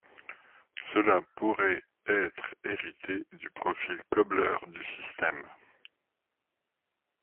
Cela pourrait être hérité du profil Cobbler du système.